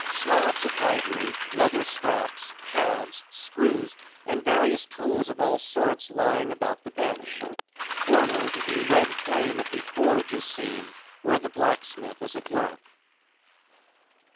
Slabs of ivory, leather straps, pads, screws, and various tools of all sorts lying about the bench. Forward, the red flame of the forge is seen, where the blacksmith is at work.